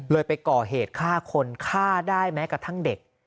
ไปก่อเหตุฆ่าคนฆ่าได้แม้กระทั่งเด็ก